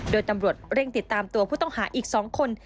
โดยตำรวจเร่งติดตามตัวผู้ต้องหาอีก๒คน